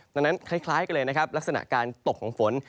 ตอนนั้นคล้ายกันเลยลักษณะการตกของฝน